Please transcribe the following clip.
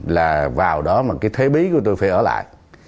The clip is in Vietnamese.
là vào đó mà cái thế bí của tôi phải ở lại